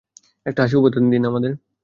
একটা হাসি উপহার দিন আমাদের!